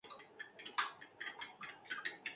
Ekitaldi batzuen emaitzak falta dira.